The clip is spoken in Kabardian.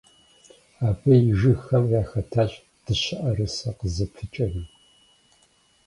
Абы и жыгхэм яхэтащ дыщэӀэрысэ къызыпыкӀэри.